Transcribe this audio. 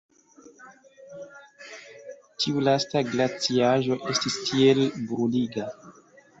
Tiu lasta glaciaĵo estis tiel bruliga!